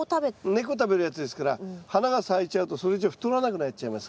根っこを食べるやつですから花が咲いちゃうとそれ以上太らなくなっちゃいますから。